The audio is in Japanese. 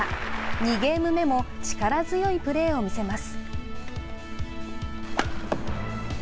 ２ゲーム目も力強いプレーを見せます。